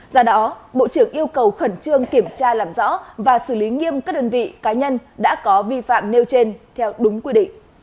do đó bộ trưởng yêu cầu khẩn trương kiểm tra làm rõ và xử lý nghiêm các đơn vị cá nhân đã có vi phạm nêu trên theo đúng quy định